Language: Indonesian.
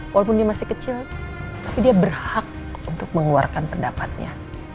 walaupun dia masih kecil tapi dia berhak untuk mengeluarkan pendapatnya